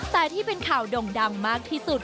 แต่ที่เป็นข่าวด่งดังมากที่สุด